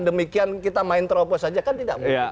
demikian kita main terobos saja kan tidak mungkin